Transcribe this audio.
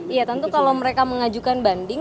iya tentu kalau mereka mengajukan banding